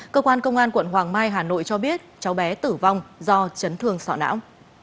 cơ quan công an quận hoàng mai hà nội cho biết cháu bé tử vong do chấn thương sọ não